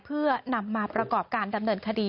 เพื่อนำมาประกอบการดำเนินคดี